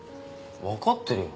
分かってるよ。